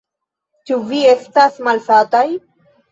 Ĉu vi estas malsataj?